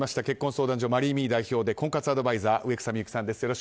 結婚相談所マリーミー代表で婚活アドバイザー植草美幸さんです